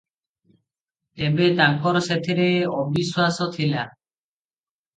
ତେବେ ତାଙ୍କର ସେଥିରେ ଅବିଶ୍ୱାସ ଥିଲା ।